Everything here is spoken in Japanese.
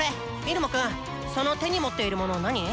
入間くんその手に持っているもの何？